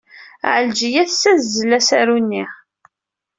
Ɛelǧiya tessazzel asaru-nni.